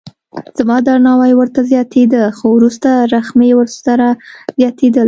زما درناوی ورته زیاتېده خو وروسته رخه مې ورسره زیاتېدله.